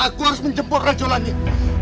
aku harus menjemput racu langit